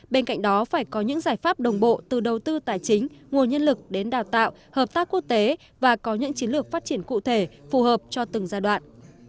bên cạnh đó phải có những giải pháp đồng bộ từ đầu tư tài chính nguồn nhân lực đến đào tạo hợp tác quốc tế và có những chiến lược phát triển cụ thể phù hợp cho từng giai đoạn